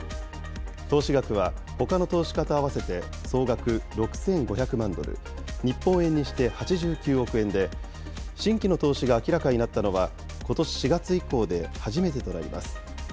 投資額は、ほかの投資家と合わせて総額６５００万ドル、日本円にして８９億円で、新規の投資が明らかになったのは、ことし４月以降で初めてとなります。